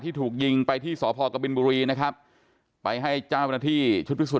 ถูกยิงไปที่สพกบินบุรีนะครับไปให้เจ้าหน้าที่ชุดพิสูจน